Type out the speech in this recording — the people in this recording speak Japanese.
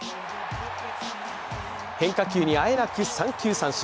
変化球にあえなく三球三振。